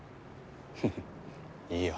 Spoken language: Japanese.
フフッいいよ